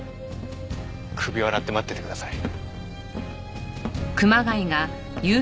首を洗って待っててください。